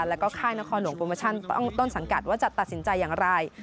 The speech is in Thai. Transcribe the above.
แล้วก็ค่ายนครหลวงโปรโมชั่นต้นสังกัดว่าจะตัดสินใจอย่างไร